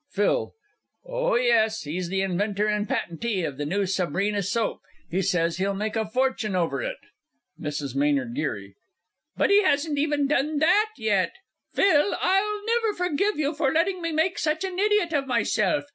_ PHIL. Oh, yes, he's the inventor and patentee of the new "Sabrina" Soap he says he'll make a fortune over it. MRS. M. G. But he hasn't even done that yet! PHIL, I'll never forgive you for letting me make such an idiot of myself.